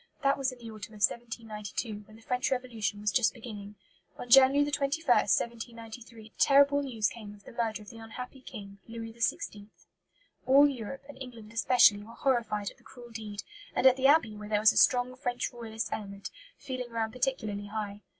That was in the autumn of 1792, when the French Revolution was just beginning. On January 21, 1793, the terrible news came of the murder of the unhappy King, Louis XVI. All Europe, and England especially, were horrified at the cruel deed; and at the Abbey, where there was a strong French Royalist element, feeling ran particularly high.